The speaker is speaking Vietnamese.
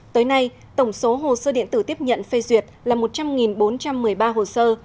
tới nay tổng số hồ sơ điện tử tiếp nhận phê duyệt là một trăm linh bốn trăm một mươi ba hồ sơ